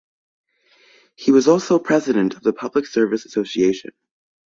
He was also president of the Public Service Association.